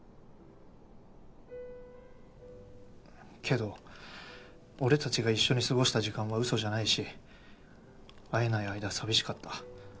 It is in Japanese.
けど俺たちが一緒に過ごした時間はうそじゃないし会えない間寂しかった。